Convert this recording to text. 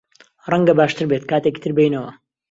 ڕەنگە باشتر بێت کاتێکی تر بێینەوە.